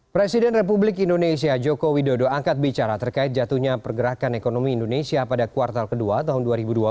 presiden republik indonesia joko widodo angkat bicara terkait jatuhnya pergerakan ekonomi indonesia pada kuartal kedua tahun dua ribu dua puluh